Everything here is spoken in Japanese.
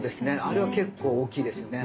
あれは結構大きいですよね